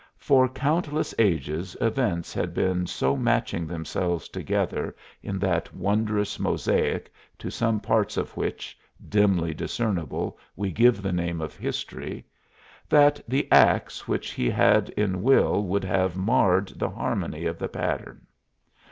For countless ages events had been so matching themselves together in that wondrous mosaic to some parts of which, dimly discernible, we give the name of history, that the acts which he had in will would have marred the harmony of the pattern.